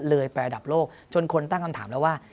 เลยไประดับโลกจนคนตั้งคำถามแล้วว่า